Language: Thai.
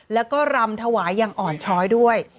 แล้วก็รำถวายอย่างอ่อนช้อยด้วย